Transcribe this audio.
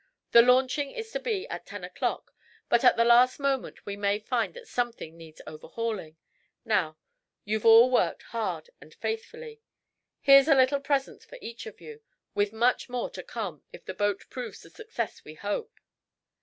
The launching is to be at ten o'clock, but at the last moment we may find that something needs overhauling. Now, you've all worked hard and faithfully." "Here's a little present for each of you, with much more to come if the boat proves the success we hope."